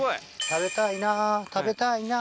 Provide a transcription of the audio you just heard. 食べたいな食べたいな。